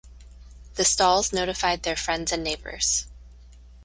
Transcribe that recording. The Stalls notified their friends and neighbors.